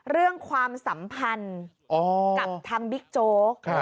เรื่องความสัมพันธ์กับทำบิ๊กโจ๊ก